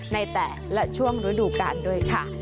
ในแต่ละช่วงฤดูกาลด้วยค่ะ